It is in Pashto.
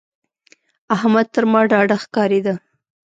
احمد تر ما ډاډه ښکارېده.